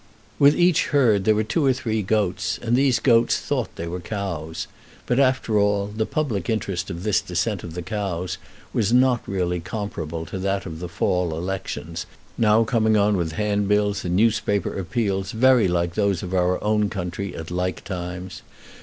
With each herd there were two or three goats, and these goats thought they were cows; but, after all, the public interest of this descent of the cows was not really comparable to that of the fall elections, now coming on with handbills and newspaper appeals very like those of our own country at like times.